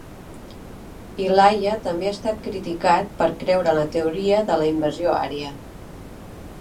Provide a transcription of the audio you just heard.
Ilaiah també ha estat criticat per creure en la teoria de la invasió ària.